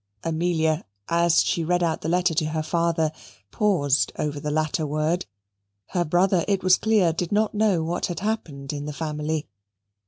Amelia, as she read out the letter to her father, paused over the latter word; her brother, it was clear, did not know what had happened in the family.